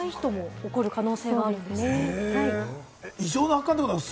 若い人も起こる可能性があるんですね。